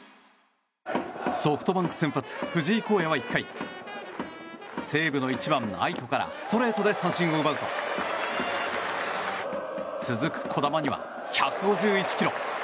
ソフトバンク先発、藤井皓哉は１回西武の１番、愛斗からストレートで三振を奪うと続く児玉には１５１ｋｍ。